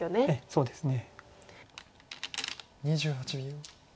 そうですね。